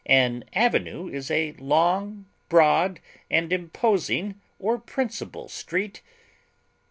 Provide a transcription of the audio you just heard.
An avenue is a long, broad, and imposing or principal street.